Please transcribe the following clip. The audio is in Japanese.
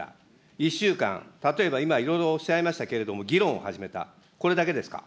１週間、例えば今、いろいろおっしゃいましたけれども、議論を始めた、これだけですか。